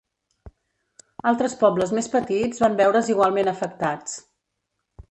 Altres pobles més petits van veure's igualment afectats.